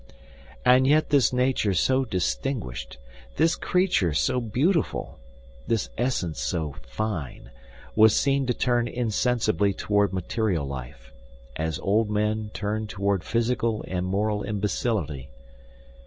And yet this nature so distinguished, this creature so beautiful, this essence so fine, was seen to turn insensibly toward material life, as old men turn toward physical and moral imbecility.